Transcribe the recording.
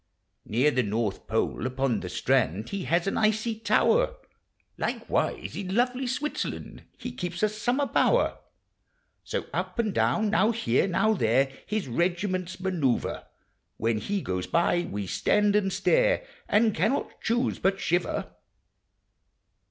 Near the North Pole, upon the si mud, He has an icy tower; Likewise in lovely Switzerland He keeps a summer bower. So up and down— now here— now there His regiments manoeuvre; When he goes by, we stand and stare, And cannot choose but shiver.